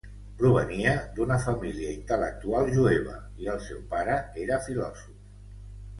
Provenia d'una família intel·lectual jueva, i el seu pare era filòsof.